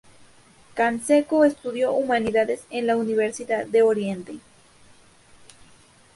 Canseco estudió humanidades en la Universidad de Oriente.